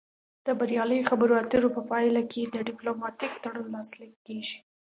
د بریالۍ خبرو اترو په پایله کې ډیپلوماتیک تړون لاسلیک کیږي